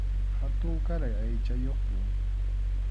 Hatunkaray aychayuqmi.